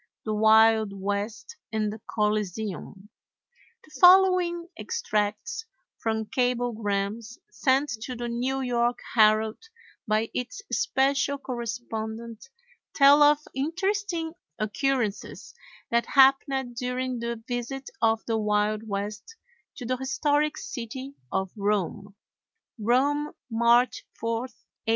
The Wild West in the Coliseum! [Illustration: CAMPED IN THE COLISEUM.] The following extracts from cablegrams sent to the New York Herald by its special correspondent, tell of interesting occurrences that happened during the visit of the Wild West to the historic city of Rome: ROME, March 4, 1890.